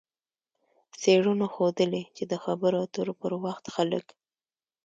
څېړنو ښودلې چې د خبرو اترو پر وخت خلک